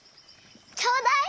ちょうだい！